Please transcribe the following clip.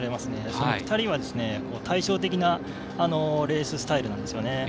この２人は対照的なレーススタイルなんですよね。